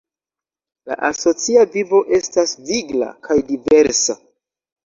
La asocia vivo estas vigla kaj diversa.